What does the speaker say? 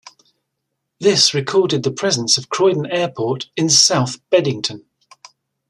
This recorded the presence of Croydon Airport in south Beddington.